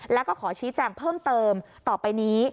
แล้วก็ขอชี้แจงเพิ่มเติมต่อไปนี้